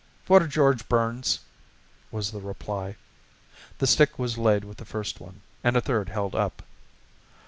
"For George Burns," was the reply. The stick was laid with the first one, and a third held up.